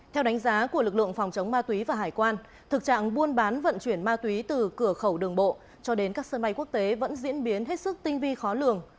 theo đánh giá của lực lượng phòng chống ma túy và hải quan thực trạng buôn bán vận chuyển ma túy từ cửa khẩu đường bộ cho đến các sân bay quốc tế vẫn diễn biến hết sức tinh vi khó lường